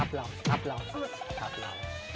อัพล่าวอัพล่าวอัพล่าว